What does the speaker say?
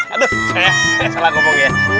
aduh saya nggak salah ngomong ya